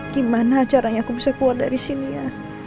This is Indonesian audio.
gimana caranya aku bisa keluar dari sini ya